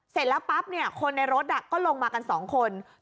เสร็จแล้วปั๊บคนในรถก็ลงมากัน๒คน